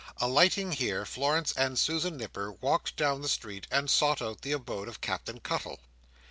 Alighting here, Florence and Susan Nipper walked down the street, and sought out the abode of Captain Cuttle.